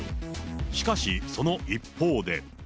しかしその一方で。